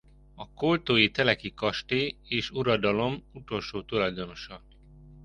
A koltói Teleki kastély és uradalom utolsó tulajdonosa.